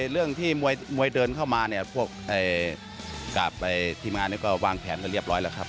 เรื่องที่มวยเดินเข้ามาเนี่ยพวกกลับไปทีมงานก็วางแผนกันเรียบร้อยแล้วครับ